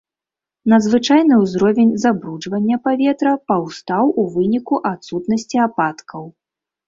Надзвычайны ўзровень забруджання паветра паўстаў у выніку адсутнасці ападкаў.